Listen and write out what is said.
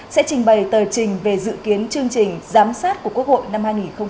sẽ trình bày tờ trình về dự kiến chương trình giám sát của quốc hội năm hai nghìn hai mươi